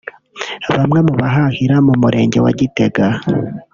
Bamwe mu bahahira mu Murenge wa Gitega